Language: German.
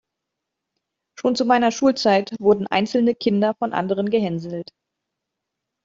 Schon zu meiner Schulzeit wurden einzelne Kinder von anderen gehänselt.